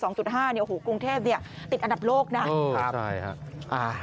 โอ้โหกรุงเทพเนี่ยติดอันดับโลกนะครับ